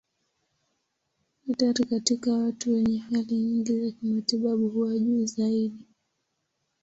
Hatari katika watu wenye hali nyingi za kimatibabu huwa juu zaidi.